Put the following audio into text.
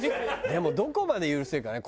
でもどこまで許せるかね？